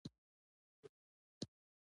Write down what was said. د نوم شوقي یې هم نه و.